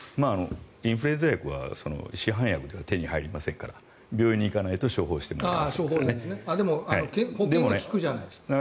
インフルエンザ薬は市販薬では手に入りませんから病院に行かないと処方してもらえないですからね。